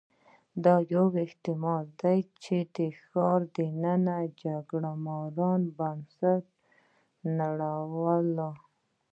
دا یو احتمال دی چې د ښار دننه جګړه مارو بنسټونه نړولي